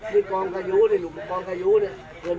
นี่ลูกฟังกายุเนี่ย